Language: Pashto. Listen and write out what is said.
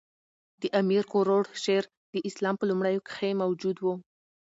د امیر کروړ شعر د اسلام په لومړیو کښي موجود وو.